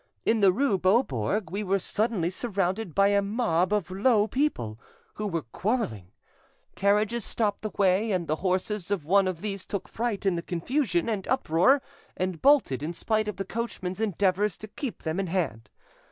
In the rue Beaubourg we were suddenly surrounded by a mob of low people, who were quarrelling. Carriages stopped the way, and the horses of one of these took fright in the confusion and uproar, and bolted, in spite of the coachman's endeavours to keep them in hand.